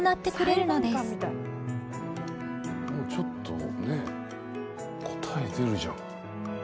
もうちょっとねえ答え出るじゃん。